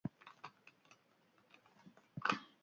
Usain ona dauka arrosa honek.